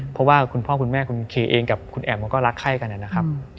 เพราะว่าคุณพ่อคุณแม่คุณเคเองกับคุณแอมเขาก็รักไข้กันนะครับ